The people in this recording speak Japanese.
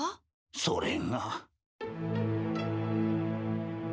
それが。